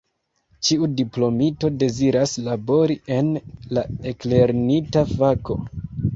Ĉiu diplomito deziras labori en la eklernita fako.